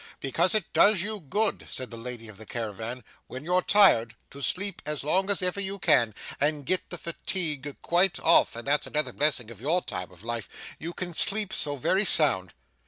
'Because it does you good,' said the lady of the caravan, 'when you're tired, to sleep as long as ever you can, and get the fatigue quite off; and that's another blessing of your time of life you can sleep so very sound.